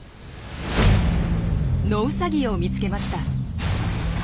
ノウサギを見つけました。